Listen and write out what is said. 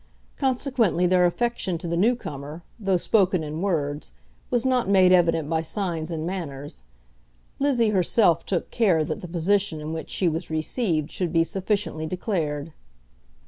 Consequently, their affection to the new comer, though spoken in words, was not made evident by signs and manners. Lizzie herself took care that the position in which she was received should be sufficiently declared.